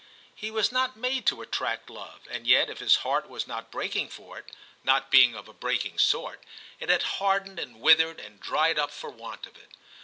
He was not made to attract love, and yet if his heart was not breaking for it (not being of a 192 TIM CHAP. breaking sort), it had hardened and withered and dried up for want of it.